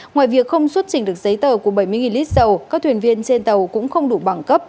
ngoài việc không xuất trình được giấy tờ của bảy mươi lít dầu các thuyền viên trên tàu cũng không đủ bằng cấp